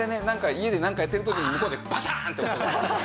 家でなんかやってる時に向こうでバシャーンって音が。